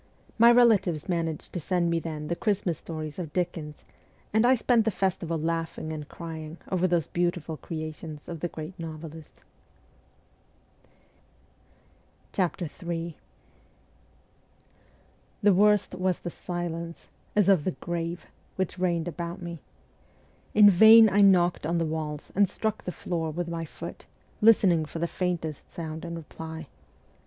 My relatives managed to send me then the Christmas THE FORTRESS 151 stories of Dickens, and I spent the festival laughing and crying over those beautiful creations of the great novelist. Ill THE worst was the silence, as of the grave, which reigned about me. In vain I knocked on the walls and struck the floor with my foot, listening for the faintest sound in reply.